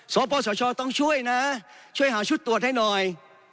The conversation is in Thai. สปสชต้องช่วยนะช่วยหาชุดตรวจให้หน่อย